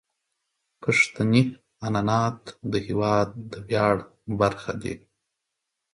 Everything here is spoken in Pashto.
پښتني عنعنات د هیواد د ویاړ برخه دي.